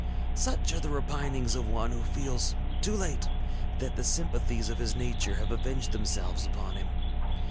ŌĆ£Such are the repinings of one who feels, too late, that the sympathies of his nature have avenged themselves upon him.